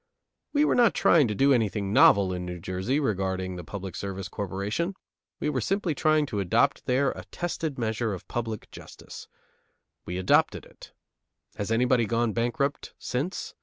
We were not trying to do anything novel in New Jersey in regulating the Public Service Corporation; we were simply trying to adopt there a tested measure of public justice. We adopted it. Has anybody gone bankrupt since?